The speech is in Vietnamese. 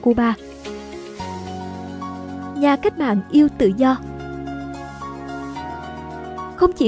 cuba nhà cách mạng yêu tự do không chỉ